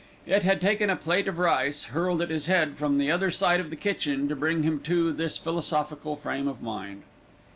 It had taken a plate of rice, hurled at his head from the other side of the kitchen, to bring him to this philosophical frame of mind.